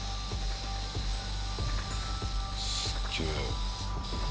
すっげえ。